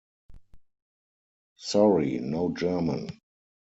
Sorry, No German!